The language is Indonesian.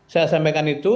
saya sampaikan itu